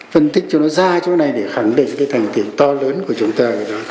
phân tích cho nó ra chỗ này để khẳng định cái thành tiệu to lớn của chúng ta